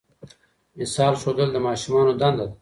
مثال ښودل د ماشومانو دنده ده.